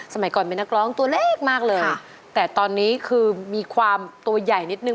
สมัยก่อนเป็นนักร้องตัวเล็กมากเลยแต่ตอนนี้คือมีความตัวใหญ่นิดนึ